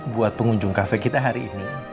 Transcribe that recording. buat pengunjung kafe kita hari ini